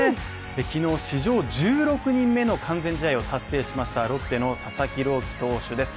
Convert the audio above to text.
昨日、史上１６人目の完全試合を達成しましたロッテの佐々木朗希投手です。